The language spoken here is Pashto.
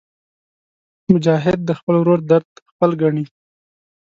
مجاهد د خپل ورور درد خپل ګڼي.